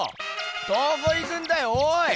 どこ行くんだよおい！